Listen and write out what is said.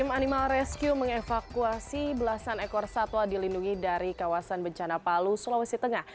tim animal rescue mengevakuasi belasan ekor satwa dilindungi dari kawasan bencana palu sulawesi tengah